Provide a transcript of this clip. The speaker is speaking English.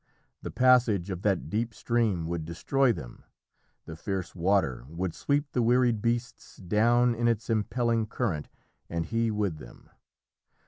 The passage of that deep stream would destroy them. The fierce water would sweep the wearied beasts down in its impelling current, and he with them.